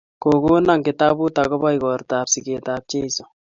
Kokona kitabut akobo igortab siget ab Jeiso